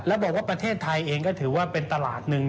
แล้วบอกว่าประเทศไทยเองก็ถือว่าเป็นตลาดหนึ่ง